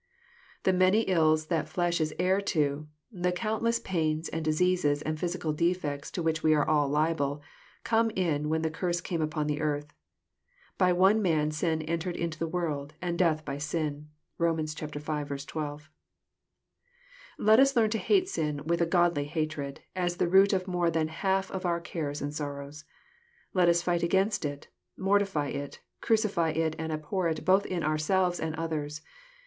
The many ills that fiesh is heir to, the countless pains, and diseases, and physical defects to which we are all liable, came in when the curse came upon the earth. '^ By one man sin entered into the world, and death by sin." (Rom. v. 12.) Let us learn to hate sin with a godly hatred, as the root of more than half of our cares and sorrows. Let us fight against it, mortify it, crucify it, and abhor it both in ourselves and others.